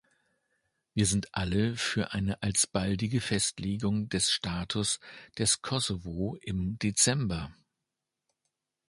Wir sind alle für eine alsbaldige Festlegung des Status des Kosovo im Dezember.